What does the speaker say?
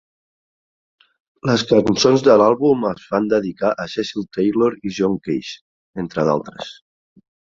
Les cançons de l'àlbum es van dedicar a Cecil Taylor i John Cage, entre d'altres.